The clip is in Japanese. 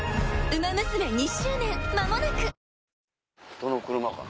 どの車かな？